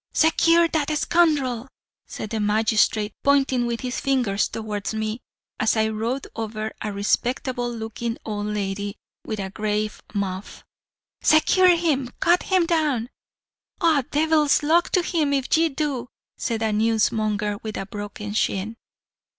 "'Secure that scoundrel," said the magistrate, pointing with his finger towards me, as I rode over a respectable looking old lady, with a gray muff. 'Secure him. Cut him down.' "'Ah, devil's luck to him, if ye do,' said a newsmonger with a broken shin.